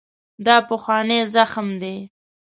دا پخوانی زخم دی.